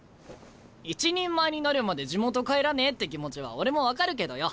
一人前になるまで地元帰らねえって気持ちは俺も分かるけどよ